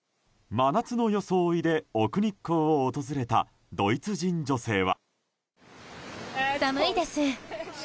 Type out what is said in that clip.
真夏の装いで奥日光を訪れたドイツ人女性は。